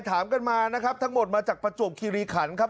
ถามกันมานะครับทั้งหมดมาจากประจวบคิริขันครับ